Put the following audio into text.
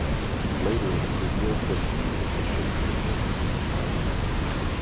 Later, it is revealed that he is the shape-shifting Miss Martian.